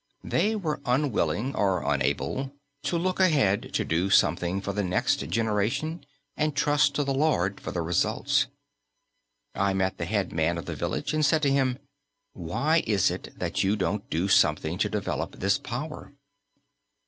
They were unwilling, or unable, to look ahead to do something for the next generation and trust to the Lord for the results. I met the head man of the village and said to him: "Why is it that you don't do something to develop this power?"